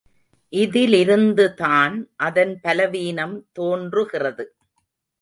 இதிலிருந்துதான் அதன் பலவீனம் தோன்றுகிறது.